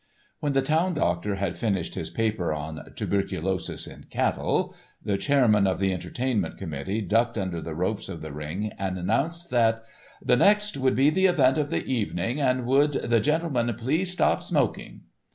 When the town doctor had finished his paper on "Tuberculosis in Cattle," the chairman of the entertainment committee ducked under the ropes of the ring and announced that: "The next would be the event of the evening and would the gentlemen please stop smoking."